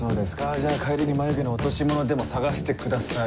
じゃあ帰りに眉毛の落とし物でも捜してください。